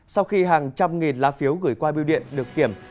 sau khi hàng trăm nghìn lá phiếu gửi qua biêu điện được kiểm